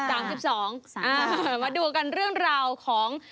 อ่า๓๒๓๒มาดูกันเรื่องราวของ